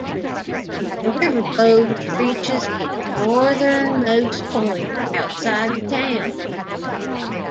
The river Bode reaches its northernmost point outside the town.